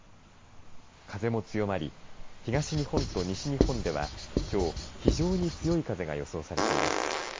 風も強まり、東日本と西日本ではきょう、非常に強い風が予想されています。